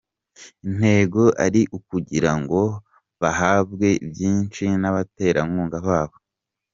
intego ari ukugira ngo bahabwe byinshi n'abaterankunga babo.